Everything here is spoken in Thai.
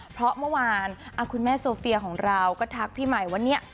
เพราะเมื่อวานคุณแม่โซเฟียของเราก็ทักพี่ใหม่ว่าเนี่ย